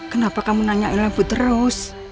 kenapa kamu nanyain labu terus